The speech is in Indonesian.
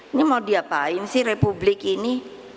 ini mau diapain sih republik ini